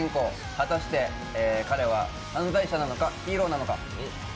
果たして彼は犯罪者なのか、ヒーローなのか。